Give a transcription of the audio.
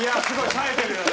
さえてるよね。